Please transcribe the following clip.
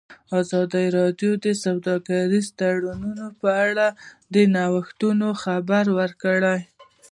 ازادي راډیو د سوداګریز تړونونه په اړه د نوښتونو خبر ورکړی.